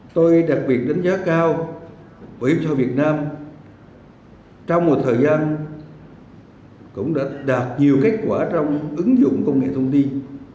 tôi đặc biệt đánh giá cao bảo hiểm xã hội việt nam trong một thời gian cũng đã đạt nhiều kết quả trong ứng dụng công nghệ thông tin